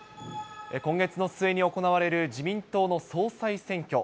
今月の末に行われる自民党の総裁選挙。